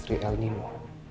nama adalah elsa nino